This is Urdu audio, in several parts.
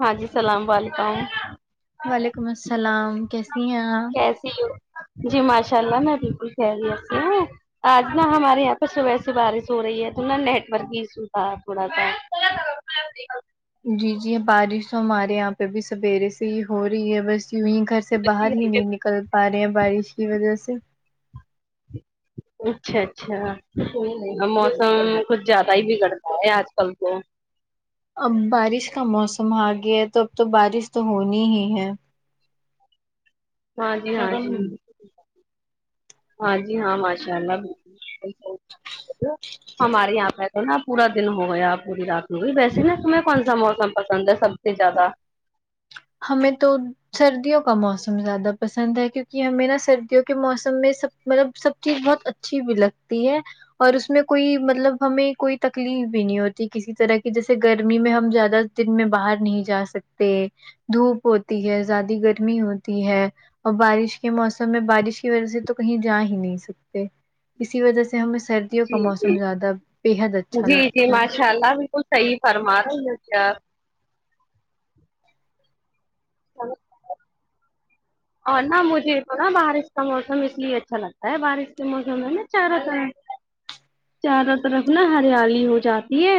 ہاں جی اسلام وعلیکم وعلیکم السلام کیسی ہیں اپ ایسی ہو جی ماشاء اللہ میں بالکل خیریت سے ہو آج نہ ہمارے یہاں پہ صبح سے بارش ہو رہی ہے تو نہا نیٹ ورک ایشو تھا تھوڑا سا جی جی بارش تو ہمارے یہاں پہ بھی سویرے سے ہی ہو رہی ہے بس یوں ہی گھر سے باہر ہی نہیں نکل پا رہے ہیں بارش کی وجہ سے اچھا اچھا موسم کچھ زیادہ ہی بگڑتا ہے آج کل تو اب بارش کا موسم آ گیا تو اب تو بارش تو ہونی ہی ہے ہاں جی ہاں جی ہاں جی ہاں ماشاء اللہ بالکل ہمارے یہاں پہ نا پورا دن ہو گیا پوری رات میں ہوئی ویسے نا تمہیں کون سا موسم پسند ہے سب سے زیادہ ہمیں تو سردیوں کا موسم زیادہ پسند ہے کیونکہ ہمیں نا سردیوں کے موسم میں سب مطلب سب چیز بہت اچھا اچھی بھی لگتی ہے اور اس میں کوئی مطلب ہمیں کوئی تکلیف بھی نہیں ہوتی کسی طرح کی جیسے گرمی میں ہم زیادہ دن میں باہر نہیں جا سکتے دھوپ ہوتی ہے زیادہ گرمی ہوتی ہے اور بارش کے موسم میں بارش کی وجہ سے تو کہیں جا ہی نہیں سکتے اسی وجہ سے ہمیں سردیوں کا جی موسم جی زیادہ بےحد اچھا لگتا ہے [unintelligible] وہ صحیح فرمار ہو ہو کیا ہیلو اور نہ مجھے تو نا بارش کا موسم اس لیے اچھا لگتا ہے بارش کے موسم میں نہ چاروںتے چاروں طرف نا ہریالی ہو جاتی ہے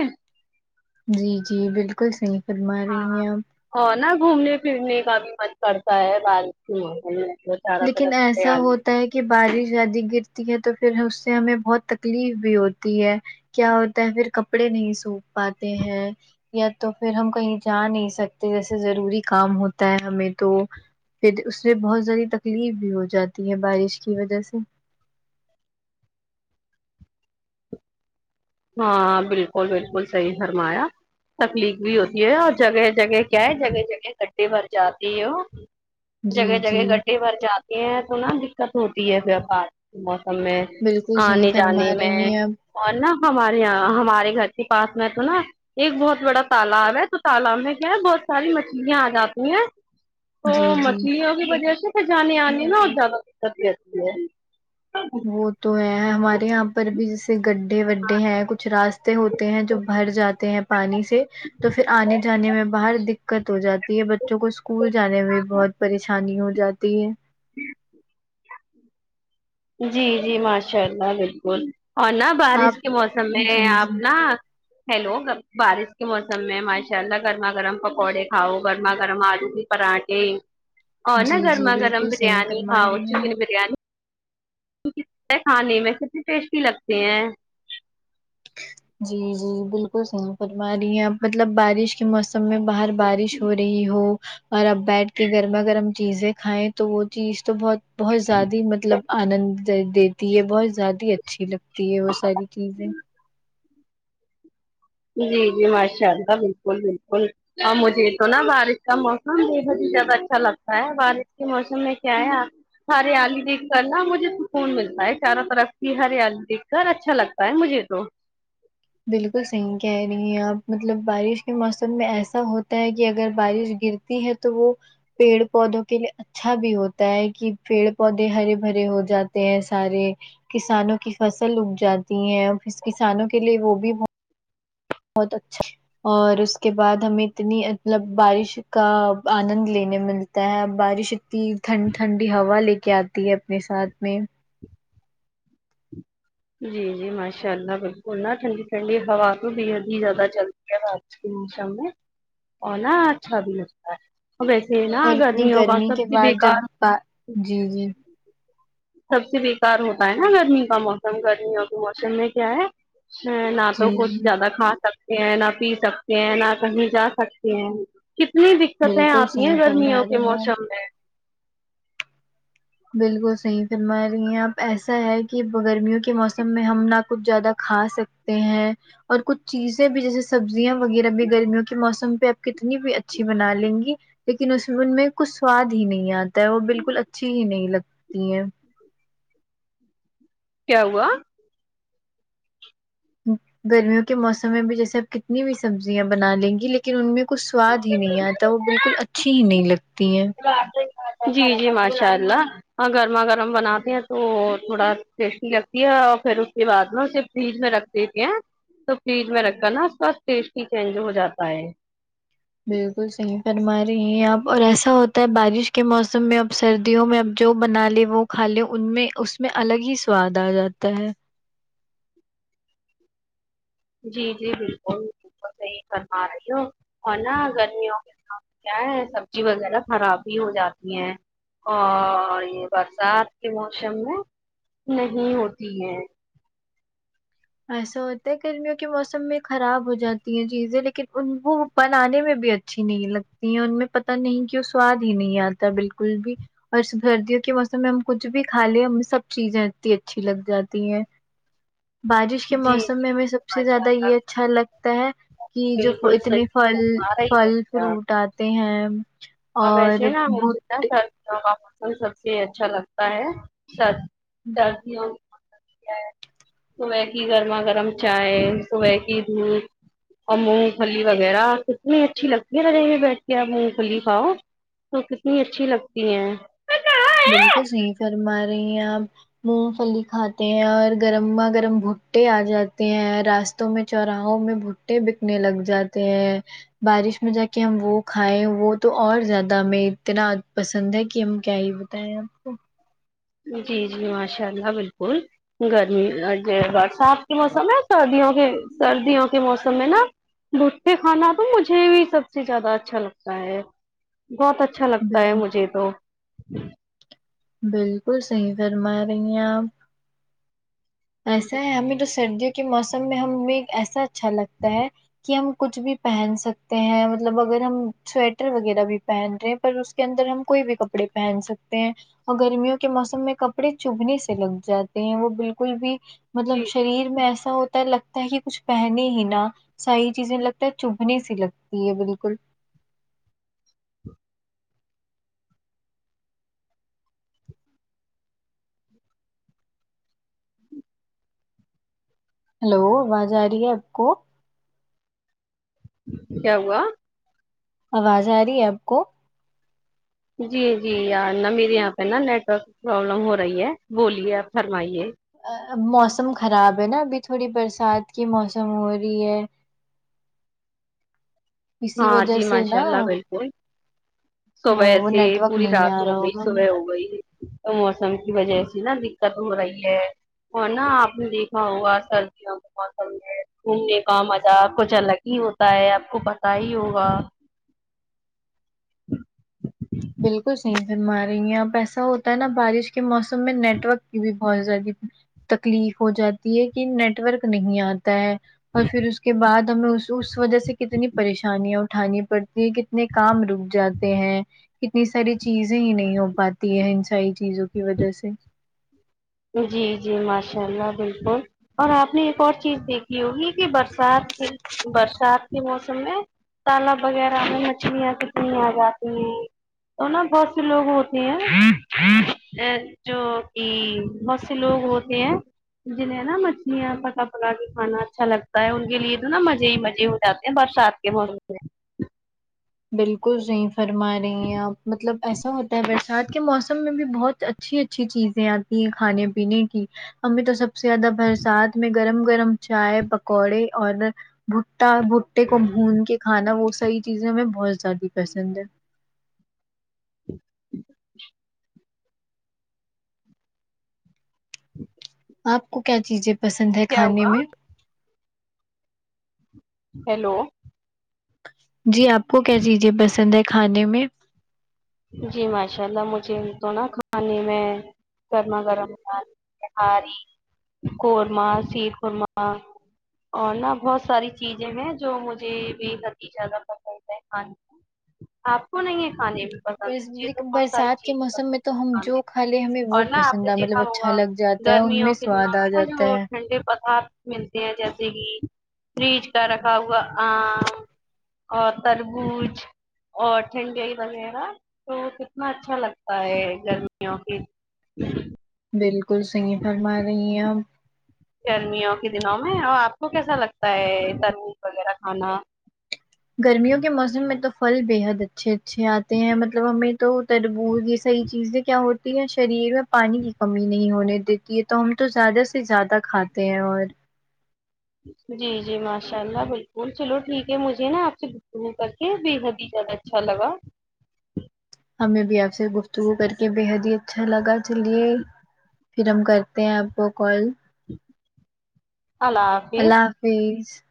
جی جی بالکل صحیح فرما ہاں رہی ہیں آپ اور نا گھومنے پھرنے کا بھی من کرتا ہے بارش کے موسم میں سارا لیکن طرح ایسا تیار ہوتا ہے کہ بارش زیادہ گرتی ہے تو پھر اس سے ہمیں بہت تکلیف بھی ہوتی ہے کیا ہوتا ہے پھر کپڑے نہیں سوکھ پاتے ہیں یا تو پھر ہم کہیں جا نہیں سکتے جیسے ضروری کام ہوتا ہے ہمیں تو پھر اس سے بہت ذری تکلیف بھی ہو جاتی ہے بارش کی وجہ سے ہاں بالکل بالکل صحیح فرمایا تکلیف بھی ہوتی ہے اور جگہ جگہ کیا ہے جگہ جگہ گڈھے بھر جاتی ہے ہو جی جگہ جی جگہ گڈھے بھر جاتے ہیں تو نا دکت ہوتی ہےار کے موسم میں بالکل صحیح آنے فرما جانے میں رہی ہیں آپ اور نا ہمارے یہاں ہمارے گھر کے پاس میں تو نا ایک بہت بڑا تالاب ہے تو تالاب میں کیا ہے بہت ساری مچھلیاں آ جاتی ہیں تو جی جی مچھلیوں کی وجہ سے پھر جانے آنے نا اور زیادہ دقتتی ہے وہ تو ہے ہمارے یہاں پر بھی جیسے گڈھے وڈے ہیں کچھ راستے ہوتے ہیں جو بھر جاتے ہیں پانی سے تو پھر آنے جانے میں باہر دکات ہو جاتی ہے بچوں کو اسکول جانے میں بہت پریشانی ہو جاتی ہے جی جی ماشاء اللہ بالکل اورنا آپ بارش کے موسم میں جی آپ جی نا ہیلو بارش کے موسم میں ماشاء اللہ گرما گرم پکوڑے کھاؤ گرما گرم آلو بھی پراٹھے اور نا جی جی گرما گرم بالکل صحیح بریانی فرما کھاؤ رہی ہیں چکن بریانی ک کھانے میں کتنے ٹیسٹی لگتے ہیں جی جی بالکل صحیح فرما رہی ہیں اب مطلب بارش کے موسم میں باہر بارش ہو رہی ہو اور اپ بیٹھ کے گرما گرم چیزیں کھائیں تو وہ چیز تو بہت بہت ذیاد مطلب آنند دیتی ہے بہت ذیاد اچھی لگتی ہے وہ ساری چیزیں جی جی ماشاء اللہ بالکل بالکل اور مجھے تو نا بارش کا موسم بےحد ہی زیادہ اچھا لگتا ہے بارش کے موسم میں کیا ہے آپ ہریالی دیکھ کر نا مجھے سکون ملتا ہے چاروں طرف کی ہریالی دیکھ کر اچھا لگتا ہے مجھے تو بالکل صحیح کہہ رہی ہیں آپ مطلب بارش کے موسم میں ایسا ہوتا ہے کہ اگر بارش گر تی ہے تو وہ پیڑ پودوں کے لیے اچھا بھی ہوتا ہے کہ پیڑ پودے ہرے بھرے ہو جاتے ہیں سارے کسانوں کی فصل اگ جاتی ہیں کسانوں کے لیے وہ بھی بہت اچھا اور اس کے بعد ہمیں اتنی مطلب بارش کا آنند لینے مل تا ہے بارش اتی ٹھنڈ ٹھنڈی ہوا لے کے آتی ہے اپنے ساتھ میں جی جی ماشاء اللہ بالکل نا ٹھنڈی ٹھنڈی ہوا بے حد ہی زیادہ چلتی ہےرات کو کے موسم میں ہونا اچھا دن ہوتا ہے ویسے ہے نا اور اتنی گرمیوں کا گرمی سب کے سے بعد جب بےکار جی جی سب سے بیکار ہوتا ہے نا گرمی کا موسم گرمیوں کے موسم میں کیا ہے ہے نہ تو جی کچھ جی زیادہ کھا سک سکتے ہیں نہ پی سکتے ہیں نہ کہیں جا سکتے ہیں کتنی دقتیں بالکل آتی صحیح ہیں فرما گرمیوں کے رہی ہیں موسم آپ میں بالکل صحیح فرما رہی ہیں آپ ایسا ہے کہ گرمیوں کے موسم میں ہم نہ کچھ زیادہ کھا سکتے ہیں اور کچھ چیزیں بھی جیسے سبزیاں وغیرہ بھی گرمیوں کے موسم پہ آپ کتنی بھی اچھی بنا لیں گی لیکن اس میں ان میں کچھ سواد ہی نہیں آتا ہے وہ بالکل اچھی ہی نہیں لگتی ہیں کیا ہوا گرمیوں کے موسم میں بھی جیسے آپ کتنی بھی سبزیاں بنا لیں گی لیک لیکن ان میں کچھ سواد ہی نہیں آتا وہ بالکل اچھی ہی نہیں لگتی ہیں جی جی ماشاء اللہ گرما گرم بناتے ہیں تو تھوڑا ٹیسٹی لگتی ہے اور پھر اس کے بعد نا اسے فریج میں رکھ دیتے ہیں تو فریج میں رکھ کر نا اس کا ٹیسٹ ہی چینج ہو جاتا ہے بالکل صحیح فرما رہی ہیں آپ اور ایسا ہوتا ہے بارش کے موسم میں اب سردیوں میں اب جو بنا لئے وہ کھا لئے ان میں اس میں الگ ہی سواد آ جاتا ہے جی جی بالکل صحیح فر ما رہی ہو اور نا گرمیوں کے کیا ہے سبزی وغیرہ خراب ہی ہو جاتی ہیں اور یہ برسات کے موسم میں نہیں ہوتی ہیں ایسا ہوتا ہے گرمیوں کے موسم میں خراب ہو جاتی ہیں چیزیں لیکن ان وہ بنانے میں بھی اچ اچھی نہیں لگتی ہیں ان میں پتہ نہیں کہ وہ سواد ہی نہیں آتا بالکل بھی اور سردیوں کے موسم میں ہم کچھ بھی کھا لیں ہم سب چیزیں اتی اچھی لگ جاتی ہیں بارش کے جی جی موسم میں ہمیں سب سے ماشاء زیادہ اللہ یہ اچھا لگتا ہے کہ جو بالکل اتنے صحیح فل فرما رہی ہو فل فروٹ آتے ہیں اب ایس اور نا ہوتا ہے بھٹ سب کا موسم سب سے اچھا لگتا ہے سر سردیوں صبح کی گرما گرم چائے صبح کی دھوپ اور مونگ پھلی وغیرہ کتنی اچھی لگتی ہے رگے ہو بیٹھ کے مونگ پھلی کھاؤ تو کتنی اچھی لگتی ہیں بالکل صحیح فرما رہی ہیں آپ مونگ فلی کھاتے ہیں اور گرما گرم بھٹے آ جاتے ہیں راست توں میں چوراہوں میں بھٹے بکنے لگ جاتے ہیں بارش میں جا کے ہم وہ کھائیں وہ تو اور زیادہ ہمیں اتنا پسند ہے کہ ہم کیا ہی تو جی جی ماشاء اللہ بالکل گرمی اگی برسات کے موسم میں سردیوں کے سردیوں کے موسم میں نا بٹے کھانا تو مجھے بھی سب سے زیادہ اچھا لگتا ہے بہت اچ اچھا لگتا ہے بال مجھے تو بالکل صحیح فرما رہی ہیں آپ ایسا ہے ہمیں تو سردیوں کے موسم میں ہمیں ایسا اچھا لگتا ہے کہ ہم کچھ بھی پہن سکتے ہیں مطلب اگر ہم سویٹر وغیرہ بھی پہن تے ہیں پر اس کے اندر ہم کوئی بھی کپڑے پہن سکتے ہیں اور گرمیوں کے موسم میں کپڑے چبھنے سے لگ جاتے ہیں وہ بالکل بھی مطلب جی شریر میں ایسا ہوتا لگتا ہے کہ کچھ پہنے ہی نا ساری چیزیں لگتا ہے چبھنے سی لگتی ہے بالکل ہلو آواز آ رہی ہے آپ کو کیا ہوا آواز آ رہی ہے آپ کو جی جی یاں نہ میرے یہاں پہ نا نیٹ ورک پرابلم ہو رہی ہے بولیے آپ فرمائیے ا موسم خراب ہے نا ابھی تھوڑی برسات کی موسم ہو رہی ہے اسی ہاں وجہ جی سے ماشاء نا اللہ بالکل صوبے وہ سے نیٹ ئ ورک پوری نہیں رات آ ہو رہا گئی ہوگا صبے ہو موبائل گئی موسم کی وجے سے نا دکت ہو رہی ہے اور نا آپ نے دیکھا ہوگا سردیوں کے موسم میں گھومنے کا مزہ کچھ الگ یھی ہوتا ہے آپ کو پتا ہی ہوگا بالکل صحیح فرما رہی ہیں اپ ایسا ہوتا ہے نا بارش کے موسم میں نیٹ ورک کی بھی بہت زیادہ تکلیف ہو جاتی ہے کہ نیٹورک نہیں آ تا ہے اور فیر اس کے بعد ہمیں اس اس وجہ سے کتنی پریشانیاں اٹھانی پڑتی ہے کت نے کام رک جاتے ہیں کتنی ساری چیزیں ہی نہیں ہو پاتی ہے ان ساری چیزوں کی وجے سے جی جی ماشاء اللہ بالکل اور آپ نے ایک اور چیز دیکھی ہوگی کی برسات کے برسات کے موسم میں تالاب وغیرہ میں مچھلیاں کتنی آجاتی ہیں تو نا بہت سے لوگ ہوتے ہیں جو کی بہت سے لوگ ہوتے ہیں جنہیں نا مچلیاں پکا پکا کے کھانا اچھا لگتا ہے ان کے لیے تو نا ماجے ہی ماجے ہو جاتے ہیں برسات کے موسم میں بالکل صحیح فرما رہی ہیں آپ مطلب ایسا ہوتا ہے برسات کے موسم میں بھی بہت اچھی اچھی چیزیں آتی ہیں کھانے پینے کی ہمیں تو سب سے زیادہ برسات میں گرم گرم چائے پکوڑے اور بھٹا بھٹٹے کو بھون کے کھانا وہ ساری چیزیں ہمیں بہت زیادہ پسند ہے آپ کو کیا چیجیں پسند ہے کیا کھانے ہوا میں ہیلو جی آپ کو کیا چیجیں پسند ہے کھانے میں جی ماشاء اللہ مجھے تو نا کھانے میں گرما گرم نہاری کرما شیرخرما اور نہ بہت ساری چیزیں ہیں جو مجھے بےحد ہی زیادہ پسند ہے کھانےمیں آپ کو نہیں ہے کھانے میں پسند مجھے تو لیکن بہت ساری برسات کے چیز موسم میں پسند تو ہے ہم کھانے جو کھا لے ہمیں وہ اور نا آپ پسند نے آ مطلب دیکھا اچھا ہوگا لگ جاتا ہے ان گرمیوں میں کے سواد دنوں آ میں نا جاتا جو ہے ٹھنڈے پدارت ملتے ہیں جیسے کی فریج کا رکھا ہوا آم اور تربوج اور ٹھنڈائی وغیرہ تو کتنا اچھا لگتا ہے گرمیوں کی بالکل صحیح فرما رہی ہیں آپ گرمیوں کے دنوں میں اور آپ کو کیسا لگتا ہے تربوز وغیرہ کھانا گرمیوں کے موسم میں تو فل بے حد اچھے اچھے آتے ہیں مطلب ہمیں تو تربوز یے صحی چیزیں کیا ہوتی ہے شریر میں پانی کی کمی نہیں ہونے دیت تی یے تو ہم تو زیادہ سے زیادہ کھاتے ہیں اور جی جی ماشاء اللہ بالکل چلو ٹھیک ہے مجھے نا آپ سے گف تگو کر کے بے حد ہی ذیادہ اچھا لگا ہمیں بھی آپ سے گفتگو کر کے بےحد ہی اچھا لگا چلیے پھر ہم کرتے ہیں آپ کو کال اللہ حافظ [unintelligible]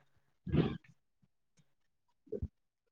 ج